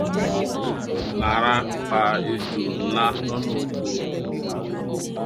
Lará pa ejò ńlá lọ́nà oko.